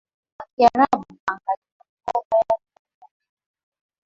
na Kiarabu angalia orodha ya lugha za Uajemi